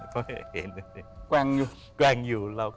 แปลงอยู่แปลงอยู่เอาแล้วเว้ย